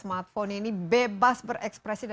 ada di garis kita